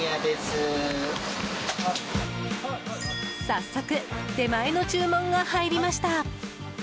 早速、出前の注文が入りました。